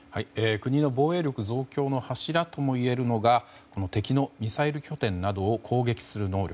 国の防衛力増強の柱ともいえるのが敵のミサイル拠点などを攻撃する能力。